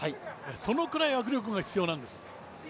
そのくらい握力が必要なんです。